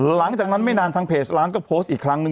หลังจากนั้นไม่นานทางเพจร้านก็โพสต์อีกครั้งหนึ่ง